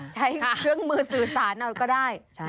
ใช้เครื่องมือสื่อสารเอาก็ได้